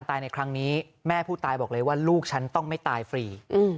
ในครั้งนี้แม่ผู้ตายบอกเลยว่าลูกฉันต้องไม่ตายฟรี